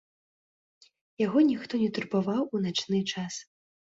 Яго ніхто не турбаваў у начны час.